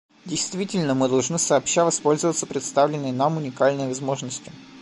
Действительно, мы должны сообща воспользоваться представленной нам уникальной возможностью.